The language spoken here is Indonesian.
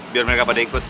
biar mereka pada ikut